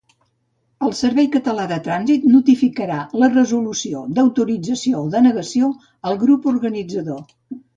El Servei Català de Trànsit notificarà la resolució d'autorització o denegació al grup organitzador.